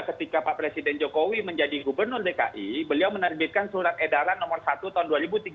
ketika pak presiden jokowi menjadi gubernur dki beliau menerbitkan surat edaran nomor satu tahun dua ribu tiga belas